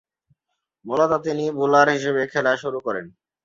মূলতঃ তিনি বোলার হিসেবে খেলা শুরু করেন।